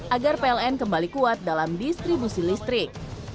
agar pln kembali kuat dalam distribusi listrik